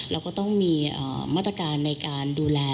เราก็ต้องมีมาตรการในการดูแล